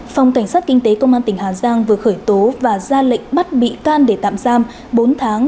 phòng cảnh sát kinh tế công an tỉnh hà giang vừa khởi tố và ra lệnh bắt bị can để tạm giam bốn tháng